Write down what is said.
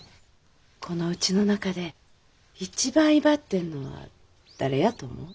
このうちの中で一番威張ってるのは誰やと思う？